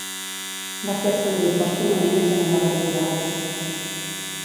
Va ser ascendit pòstumament a general de brigada.